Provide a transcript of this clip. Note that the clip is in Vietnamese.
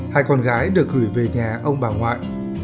hai con gái được gửi về nhà ông bà ngoại